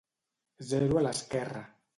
Zero a l'esquerra.